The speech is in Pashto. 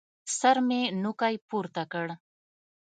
سر مې نوکى پورته کړ.